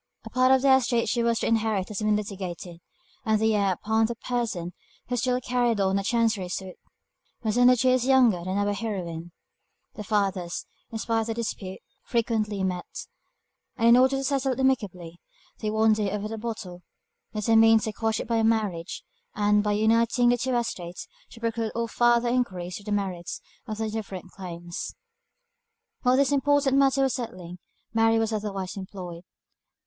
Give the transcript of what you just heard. A part of the estate she was to inherit had been litigated, and the heir of the person who still carried on a Chancery suit, was only two years younger than our heroine. The fathers, spite of the dispute, frequently met, and, in order to settle it amicably, they one day, over a bottle, determined to quash it by a marriage, and, by uniting the two estates, to preclude all farther enquiries into the merits of their different claims. While this important matter was settling, Mary was otherwise employed.